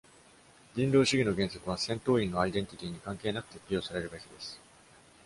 人道主義の原則は、戦闘員のアイデンティティに関係なく、適用されるべきです。